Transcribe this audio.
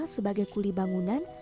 sebagai kuli bangunan